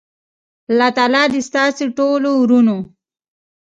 الله تعالی دی ستاسی ټولو ورونو